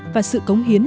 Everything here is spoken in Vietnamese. và sự cống hiến